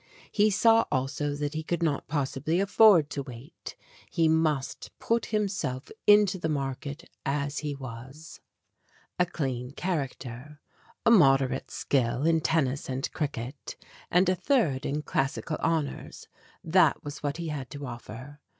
He saw also that he could not possibly afford to wait. He must put himself into GREAT POSSESSIONS 5 the market as he was. A clean character, a moderate skill in tennis and cricket, and a third in Classical Hon ors that was what he had to offer.